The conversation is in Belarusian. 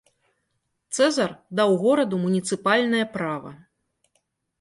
Цэзар даў гораду муніцыпальнае права.